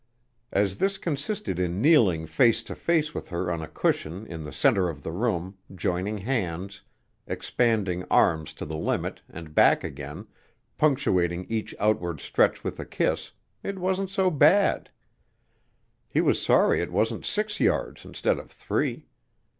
As this consisted in kneeling face to face with her on a cushion in the center of the room, joining hands, expanding arms to the limit, and back again, punctuating each outward stretch with a kiss, it wasn't so bad. He was sorry it wasn't six yards instead of three.